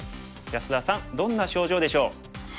安田さんどんな症状でしょう？